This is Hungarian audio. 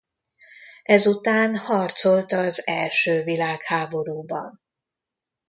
Ezután harcolt az első világháborúban.